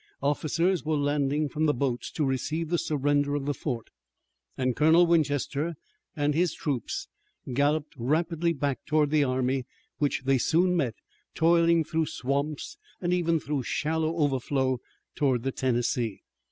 Officers were landing from the boats to receive the surrender of the fort, and Colonel Winchester and his troops galloped rapidly back toward the army, which they soon met, toiling through swamps and even through shallow overflow toward the Tennessee.